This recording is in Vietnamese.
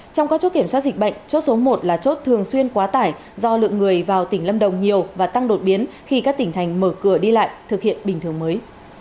trong các chốt kiểm soát dịch bệnh chốt số một là chốt thường xuyên quá tải do lượng người vào tỉnh lâm đồng nhiều và tăng đột biến khi các tỉnh thành mở cửa đi lại thực hiện bình thường mới